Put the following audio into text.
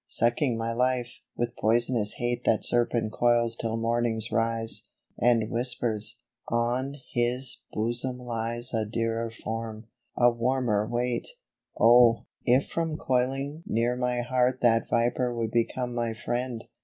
Sucking my life, with poisonous hate That serpent coils till morning's rise, And whispers, " On his bosom lies A dearer form — a warmer weight." Oh ! if from coiling near my heart That viper would become my friend